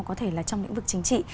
có thể là trong những vực chính trị